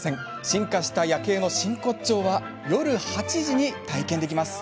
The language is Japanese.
進化した夜景の真骨頂は夜８時に体験できます。